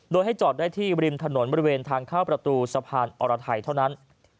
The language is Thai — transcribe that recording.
โดยให้จอดได้ที่ริมถนนบริเวณทางเข้าประตูสะพานอรไทยเท่านั้น